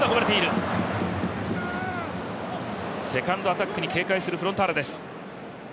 セカンドアタックに警戒するフロンターレです。